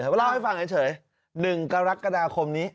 เล่าให้ฟังเฉย๑กรกฎาคมนี้